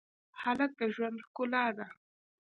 هلک د ژوند ښکلا ده.